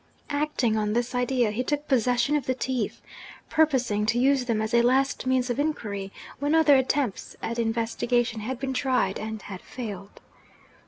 Acting on this idea, he took possession of the teeth, purposing to use them as a last means of inquiry when other attempts at investigation had been tried and had failed.